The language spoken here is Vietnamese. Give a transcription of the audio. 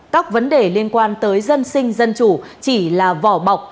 các vấn đề liên quan tới dân sinh dân chủ chỉ là vỏ bọc